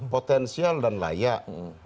potensial dan layak